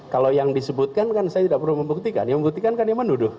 kalau yang disebutkan kan saya tidak perlu membuktikan yang membuktikan kan yang menuduh